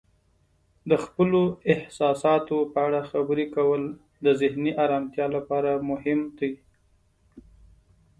د خپلو احساساتو په اړه خبرې کول د ذهني آرامتیا لپاره مهم دی.